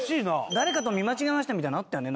誰かと見間違えましたみたいなのあったよね。